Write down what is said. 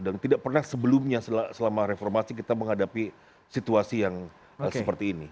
dan tidak pernah sebelumnya selama reformasi kita menghadapi situasi yang seperti ini